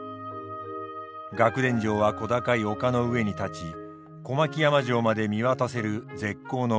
楽田城は小高い丘の上に建ち小牧山城まで見渡せる絶好の場所です。